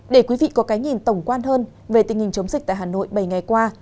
để quý vị có cái nhìn tổng quan hơn về tình hình chống dịch tại hà nội bảy ngày qua